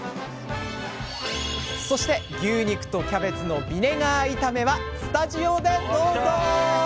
そして「牛肉とキャベツのビネガー炒め」はスタジオでどうぞ！